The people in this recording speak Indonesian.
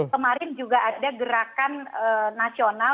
kemarin juga ada gerakan nasional